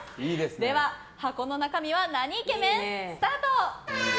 では、箱の中身はなにイケメン？スタート！